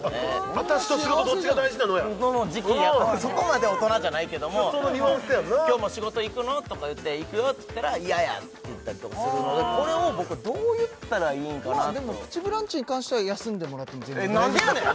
「私と仕事どっちが大事なの？」やそこまで大人じゃないけども「今日も仕事行くの？」とか言って「行くよ」って言ったら「嫌や」って言ったりとかするのでこれを僕どう言ったらいいんかなとまあでも「プチブランチ」に関しては休んでもらっても全然大丈夫なんでやねん！